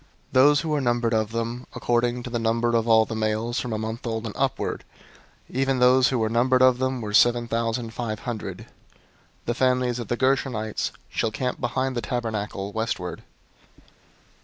003:022 Those who were numbered of them, according to the number of all the males, from a month old and upward, even those who were numbered of them were seven thousand five hundred. 003:023 The families of the Gershonites shall encamp behind the tabernacle westward.